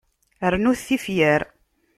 Rrnut tifyar.